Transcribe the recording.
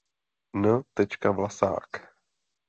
N. Vlasák.